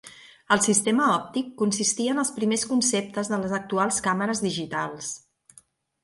El sistema òptic consistia en els primers conceptes de les actuals càmeres digitals.